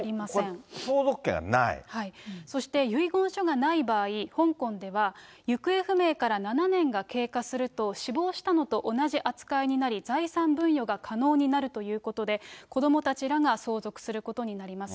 これ、そして、遺言書がない場合、香港では行方不明から７年が経過すると、死亡したのと同じ扱いになり、財産分与が可能になるということで、子どもたちらが相続することになります。